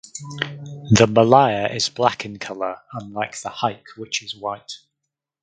The M’laya is black in colour unlike the haik which is white.